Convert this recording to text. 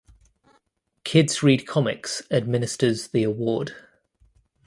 Kids Read Comics administers the award.